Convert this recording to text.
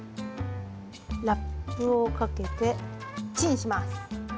ラップをかけてチンします。